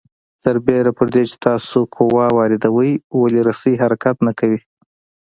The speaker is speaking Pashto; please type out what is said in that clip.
سربېره پر دې چې تاسو قوه واردوئ ولې رسۍ حرکت نه کوي؟